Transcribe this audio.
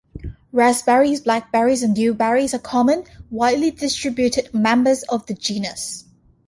Raspberries, blackberries, and dewberries are common, widely distributed members of the genus.